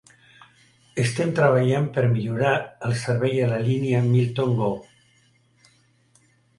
Estem treballant per millorar el servei a la línia Milton Go.